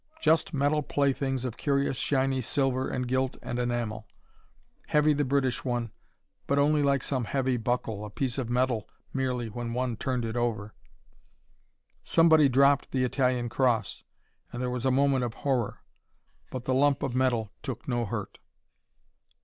Just metal playthings of curious shiny silver and gilt and enamel. Heavy the British one but only like some heavy buckle, a piece of metal merely when one turned it over. Somebody dropped the Italian cross, and there was a moment of horror. But the lump of metal took no hurt.